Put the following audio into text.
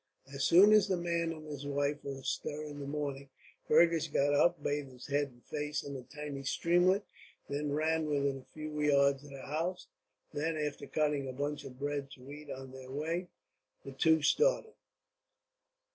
As soon as the man and his wife were astir in the morning, Fergus got up; bathed his head and face in a tiny streamlet, that ran within a few yards of the house; then, after cutting a hunch of bread to eat on their way, the two started.